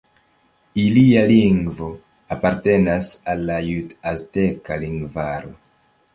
Ilia lingvo apartenas al la jut-azteka lingvaro.